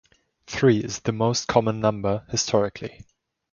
Three is the most common number, historically.